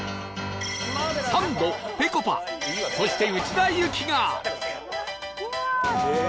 サンドぺこぱそして内田有紀が